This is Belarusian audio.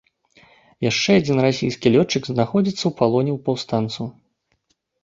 Яшчэ адзін расійскі лётчык знаходзіцца ў палоне ў паўстанцаў.